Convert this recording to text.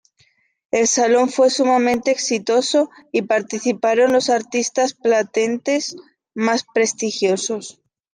El salón fue sumamente exitoso y participaron los artistas platenses más prestigiosos.